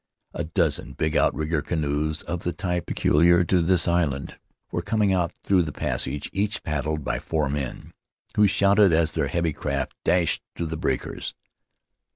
A dozen big outrigger canoes, of the type pe culiar to this island, were coming out through the passage, each paddled by four men, who shouted as their heavy craft dashed through the breakers.